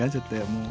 もう。